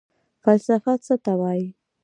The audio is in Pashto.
فلسفه څه ته وايي؟